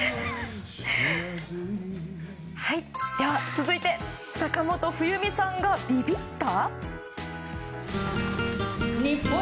続いて坂本冬美さんがビビった？